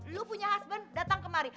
lo punya husband datang kemari